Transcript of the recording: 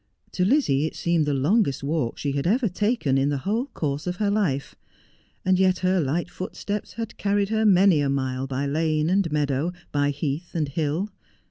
To Lizzie it seemed the longest walk she had ever taken in the whole course of her life, and yet her light footsteps had carried her many a mile by lane and meadow, by heath and hill.